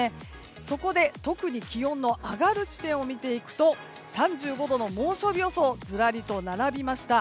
そこで特に気温の上がる地点を見ていくと３５度以上の猛暑日予想がずらりと並びました。